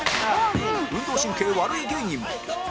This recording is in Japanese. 運動神経悪い芸人も